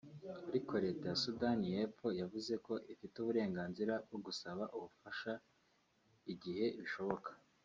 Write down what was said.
Ariko leta ya Sudan y’epfo yavuze ko ifite uburenganzira bwo gusaba ubufasha igihe bishoboka